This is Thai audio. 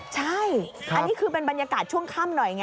ใช่อันนี้คือเป็นบรรยากาศช่วงค่ำหน่อยไง